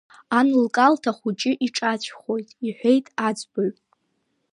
Ан лкалҭ ахәыҷы иҿацәхоит иҳәеит аӡбаҩ.